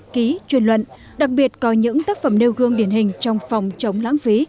ký truyền luận đặc biệt có những tác phẩm nêu gương điển hình trong phòng chống lãng phí